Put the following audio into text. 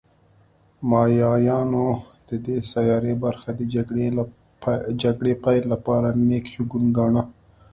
مایایانو د دې سیارې برخې د جګړې پیل لپاره نېک شګون گاڼه